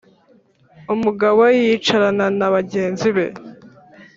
Umugabo we yicarana na bagenzi be,